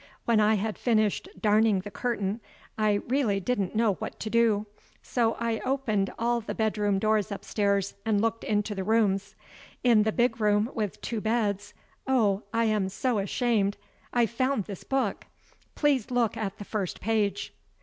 When I had finished darning the curtain, I really didn't know what to do. So I opened all the bedroom doors upstairs and looked into the rooms. In the big room with two beds oh, I am so ashamed I found this book. Please look at the first page."